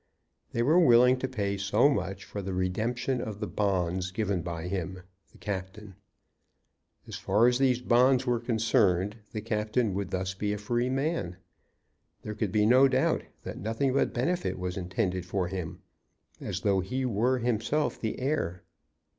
They were willing to pay so much for the redemption of the bonds given by him, the captain. As far as these bonds were concerned the captain would thus be a free man. There could be no doubt that nothing but benefit was intended for him, as though he were himself the heir.